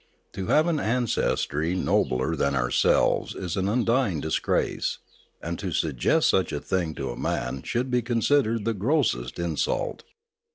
To have an ancestry nobler than ourselves is an undying disgrace, and to suggest such a thing to a man should be considered the grossest insult.